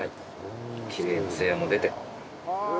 きれいにつやも出て。